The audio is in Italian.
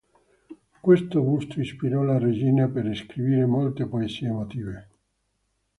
Questo busto ispirò la regina per scrivere molte poesie emotive.